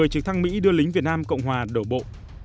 một mươi trực thăng mỹ đưa lính việt nam cộng hòa đổ bộ